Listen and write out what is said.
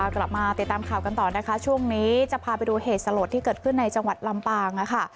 กลับมาติดตามข่าวกันต่อนะคะช่วงนี้จะพาไปดูเหตุสลดที่เกิดขึ้นในจังหวัดลำปางนะคะ